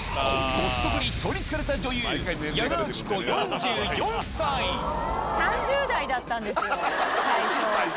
コストコに取りつかれた女優、３０代だったんですよ。